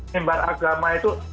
limbar agama itu